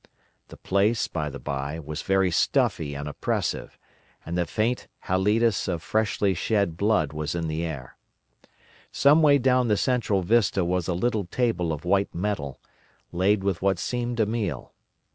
The place, by the bye, was very stuffy and oppressive, and the faint halitus of freshly shed blood was in the air. Some way down the central vista was a little table of white metal, laid with what seemed a meal.